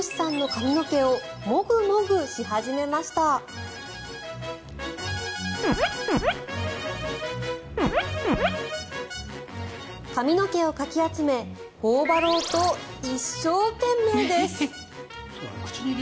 髪の毛をかき集め頬張ろうと一生懸命です。